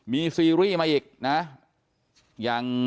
มีซีรีส์มาอีกนะ